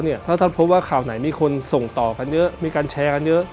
ถ้าท่านพบว่าข่าวไหนมีคนส่งต่อกันเยอะมีการแชร์กันเยอะ